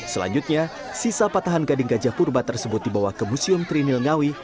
selanjutnya sisa patahan gading gajah purba tersebut dibawa ke museum trinil ngawi